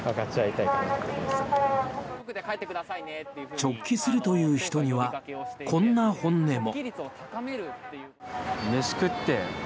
直帰するという人にはこんな本音も。